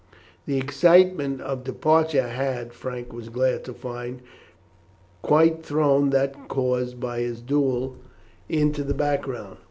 The excitement of departure had, Frank was glad to find, quite thrown that caused by his duel into the background.